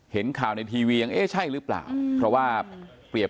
เห็นเขาที่ด้านทีวีหัวว่าเอ๊ะจำเป็นใช่หรือเปล่า